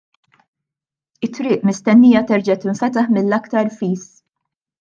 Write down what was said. It-triq mistennija terġa' tinfetaħ mill-aktar fis.